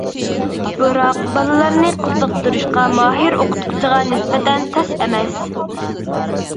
بىراق بالىلارنى قىزىقتۇرۇشقا ماھىر ئوقۇتقۇچىغا نىسبەتەن تەس ئەمەس.